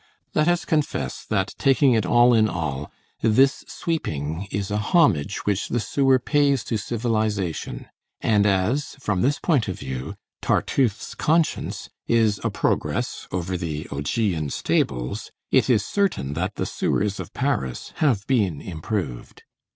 Let us confess, that, taking it all in all, this sweeping is a homage which the sewer pays to civilization, and as, from this point of view, Tartuffe's conscience is a progress over the Augean stables, it is certain that the sewers of Paris have been improved.